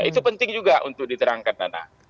itu penting juga untuk diterangkan nana